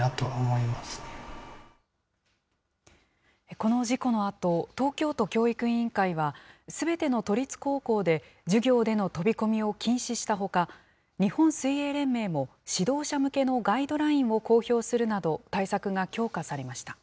この事故のあと、東京都教育委員会は、すべての都立高校で授業での飛び込みを禁止したほか、日本水泳連盟も、指導者向けのガイドラインを公表するなど、対策が強化されました。